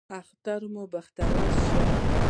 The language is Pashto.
اختر مو بختور شه